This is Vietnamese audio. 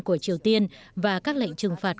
của triều tiên và các lệnh trừng phạt